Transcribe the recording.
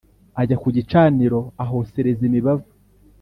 ajya ku gicaniro ahosereza imibavu